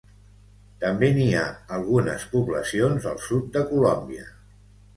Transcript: També n'hi ha algunes poblacions al sud de Colòmbia.